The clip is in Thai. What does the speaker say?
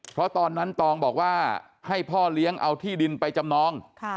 เพราะตอนนั้นตองบอกว่าให้พ่อเลี้ยงเอาที่ดินไปจำนอง